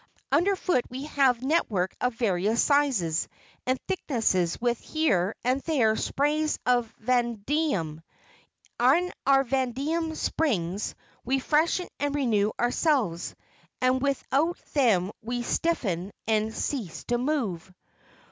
Underfoot we have network of various sizes and thicknesses with here and there sprays of vanadium. In our vanadium springs we freshen and renew ourselves, and without them we stiffen and cease to move."